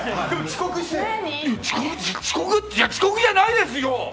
遅刻じゃないですよ！